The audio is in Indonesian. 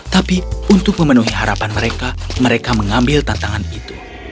tapi untuk memenuhi harapan mereka mereka mengambil tantangan itu